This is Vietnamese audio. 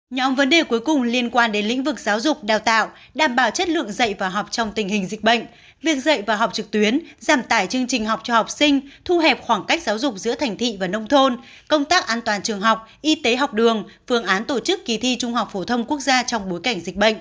nhóm vấn đề cuối cùng liên quan đến lĩnh vực giáo dục đào tạo đảm bảo chất lượng dạy và học trong tình hình dịch bệnh việc dạy và học trực tuyến giảm tải chương trình học cho học sinh thu hẹp khoảng cách giáo dục giữa thành thị và nông thôn công tác an toàn trường học y tế học đường phương án tổ chức kỳ thi trung học phổ thông quốc gia trong bối cảnh dịch bệnh